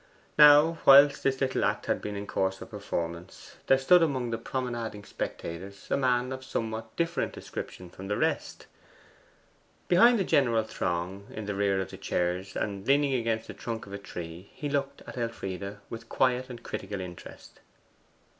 Now, whilst this little act had been in course of performance, there stood among the promenading spectators a man of somewhat different description from the rest. Behind the general throng, in the rear of the chairs, and leaning against the trunk of a tree, he looked at Elfride with quiet and critical interest.